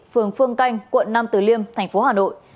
phường phương canh quận năm từ liêm tp hà nội